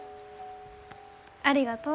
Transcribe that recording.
ありがとう。